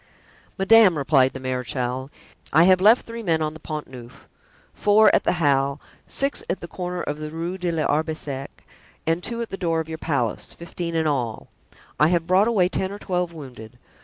"Madame," replied the marechal, "I have left three men on the Pont Neuf, four at the Halle, six at the corner of the Rue de l'Arbre Sec and two at the door of your palace—fifteen in all. I have brought away ten or twelve wounded.